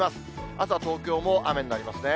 朝、東京も雨になりますね。